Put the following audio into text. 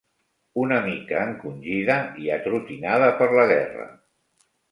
Una mica encongida i atrotinada per la guerra